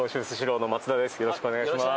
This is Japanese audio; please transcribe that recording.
よろしくお願いします